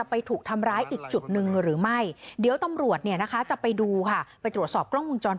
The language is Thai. พี่บ๊ายพี่บ๊ายพี่บ๊ายพี่บ๊ายพี่บ๊ายพี่บ๊าย